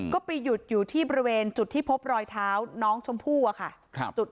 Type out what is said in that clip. ก็ไปหยุดอยู่ที่บริเวณจุดที่พบรอยเท้าน้องชมพู่อะค่ะ